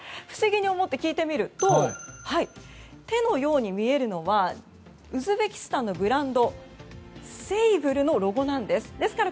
不思議に思って聞いてみると「て」のように見えるのはウズベキスタンのブランドセイブルのロゴなんです。